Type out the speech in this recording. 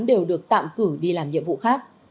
đều được tạm cử đi làm nhiệm vụ khác